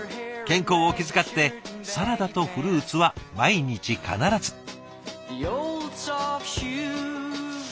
健康を気遣ってサラダとフルーツは毎日必ず。